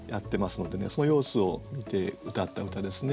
そういう様子を見てうたった歌ですね。